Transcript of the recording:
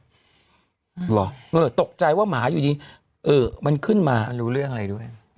เหรอเออตกใจว่าหมาอยู่ดีเออมันขึ้นมารู้เรื่องอะไรด้วย